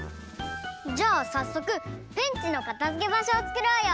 じゃあさっそくペンチのかたづけばしょをつくろうよ！